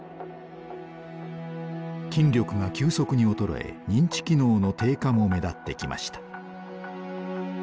筋力が急速に衰え認知機能の低下も目立ってきました。